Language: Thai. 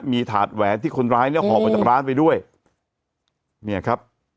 มีถาดแหวนที่คนร้ายเนี่ยหอบมาจากร้านไปด้วยเนี่ยครับ